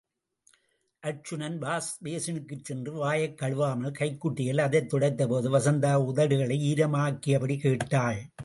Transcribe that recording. Arjunan wash பேசினுக்குச் சென்று வாயைக் கழுவாமல், கைக்குட்டையில் அதை துடைத்தபோது, வசந்தா உதடுகளை ஈரமாக்கியபடி கேட்டாள்.